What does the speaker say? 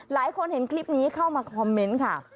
หลายคนเห็นคลิปนี้เข้ามาคอมเมนต์ค่ะ